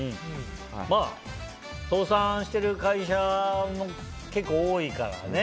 まあ、倒産してる会社も結構多いからね。